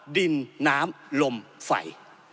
ดินน้ำลมไฟ